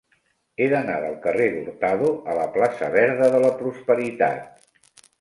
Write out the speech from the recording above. He d'anar del carrer d'Hurtado a la plaça Verda de la Prosperitat.